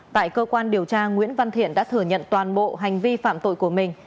tại cơ quan điều tra nguyễn văn thiện đã thừa nhận toàn bộ hành vi phạm tội của mình